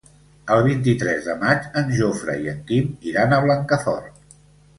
El vint-i-tres de maig en Jofre i en Quim iran a Blancafort.